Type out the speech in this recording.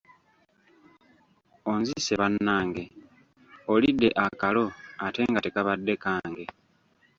Onzise bannange, olidde akalo ate nga tekabadde kange.